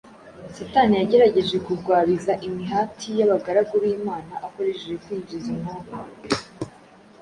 Satani yagerageje kugwabiza imihati y’abagaragu b’Imana akoresheje kwinjiza umwuka